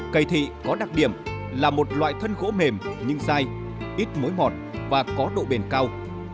cây thị có đặc điểm là một loại thân gỗ mềm nhưng dai ít mối mọt và có độ bền cao